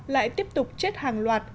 lại tiếp tục chết hàng loạt